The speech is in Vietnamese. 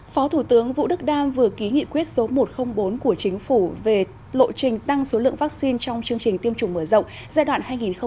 phó thủ tướng vũ đức đam vừa ký nghị quyết số một trăm linh bốn của chính phủ về lộ trình tăng số lượng vaccine trong chương trình tiêm chủng mở rộng giai đoạn hai nghìn hai mươi một hai nghìn ba mươi